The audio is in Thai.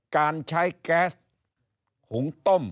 การใช้แก๊สหุงต้ม